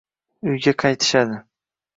Uyga qaytishadi.